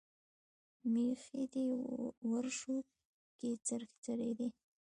مېښې دې ورشو کښې څرېدې